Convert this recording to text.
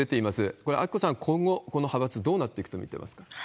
これ、明子さん、今後、この派閥、どうなっていくと見てますか？